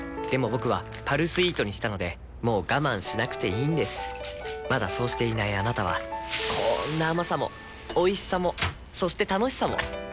僕は「パルスイート」にしたのでもう我慢しなくていいんですまだそうしていないあなたはこんな甘さもおいしさもそして楽しさもあちっ。